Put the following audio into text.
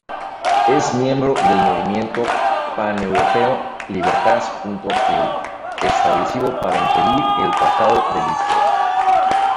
Es miembro del movimiento paneuropeo Libertas.eu, establecido para impedir el Tratado de Lisboa.